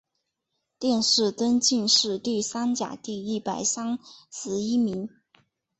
殿试登进士第三甲第一百三十一名。